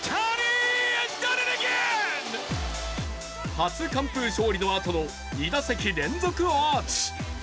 初完封勝利のあとに２打席連続アーチ。